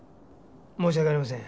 申し訳ありません。